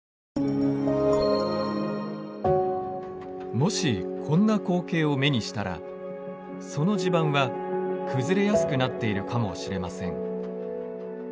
もしこんな光景を目にしたらその地盤は崩れやすくなっているかもしれません。